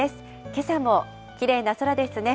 けさもきれいな空ですね。